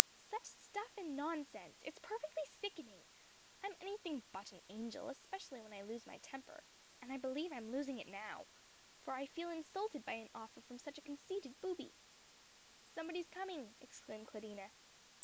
"Such stuff and nonsense! it's perfectly sickening! I'm anything but an angel; especially when I lose my temper. And I believe I'm losing it now; for I feel insulted by an offer from such a conceited booby!" "Somebody's coming!" exclaimed Claudina.